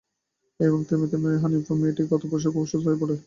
এবং থেমে থেমে বললেন, হানিফা মেয়েটি গত পরশু রাতে খুব অসুস্থ হয়ে পড়ে।